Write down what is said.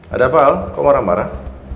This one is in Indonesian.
ada apa al kok marah marah